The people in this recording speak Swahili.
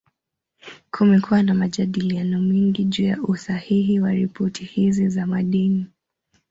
Kumekuwa na majadiliano mengi juu ya usahihi wa ripoti hizi za madeni.